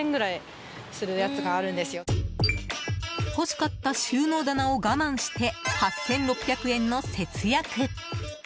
欲しかった収納棚を我慢して８６００円の節約。